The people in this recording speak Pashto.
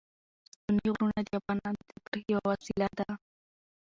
ستوني غرونه د افغانانو د تفریح یوه وسیله ده.